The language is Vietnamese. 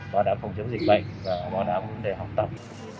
bảo đảm phòng chống dịch bệnh và bảo đảm vấn đề học tập